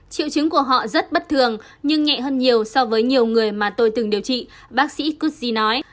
triệu chứng của họ rất bất thường nhưng nhẹ hơn nhiều so với nhiều người mà tôi từng điều trị bác sĩ cứ zi nói